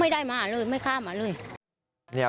ไม่ได้มาเลยไม่ข้ามมาเลย